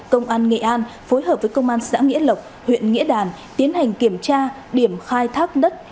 công an nghệ an phối hợp với công an xã nghĩa lộc huyện nghĩa đàn tiến hành kiểm tra điểm khai thác đất